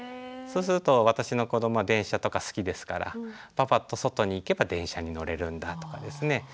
そうすると私の子どもは電車とか好きですからパパと外に行けば電車に乗れるんだとかですね